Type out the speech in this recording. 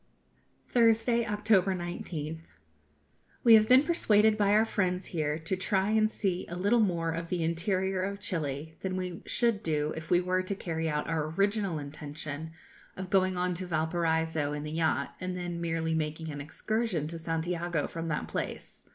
Thursday, October 19th. We have been persuaded by our friends here to try and see a little more of the interior of Chili than we should do if we were to carry out our original intention of going on to Valparaiso in the yacht, and then merely making an excursion to Santiago from that place.